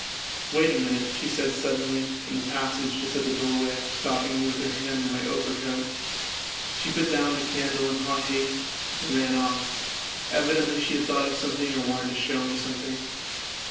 " Wait a minute," she said suddenly, in the passage just at the doorway, stopping me with her hand on my overcoat. She put down the candle in hot haste and ran off; evidently she had thought of something or wanted to show me something.